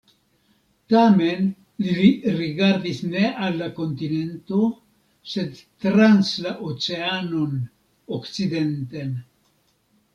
Tamen li rigardis ne al la kontinento, sed trans la oceanon, okcidenten.